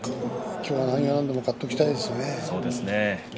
今日は何が何でも勝っておきたいですね。